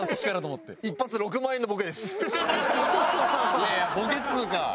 いやいやボケっつうか。